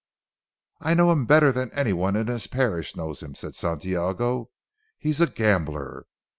"I know him better than anyone in his parish knows him," said Santiago, "he is a gambler.